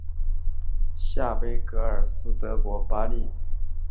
下贝格基兴是德国巴伐利亚州的一个市镇。